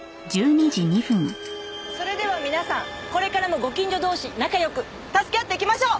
それでは皆さんこれからもご近所同士仲良く助け合っていきましょう！